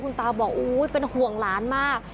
ตาบอกอุ๊ยเป็นห่วงหลานมาก